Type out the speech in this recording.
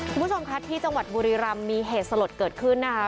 คุณผู้ชมค่ะที่จังหวัดบุรีรำมีเหตุสลดเกิดขึ้นนะคะ